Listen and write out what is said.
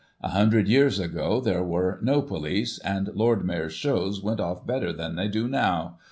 A hundred years ago there were no police, and Lord Mayor's shows went off better than they do now.